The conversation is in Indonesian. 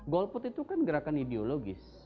golput itu kan gerakan ideologis